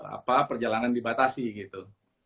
apa perjalanan dibatasi gitu